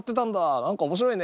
何か面白いね！